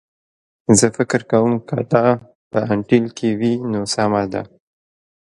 زه فکر کوم که دا په انټیل کې وي نو سمه ده